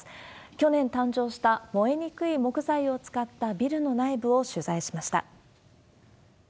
去年誕生した、燃えにくい木材を使ったビルの内部を取材しました。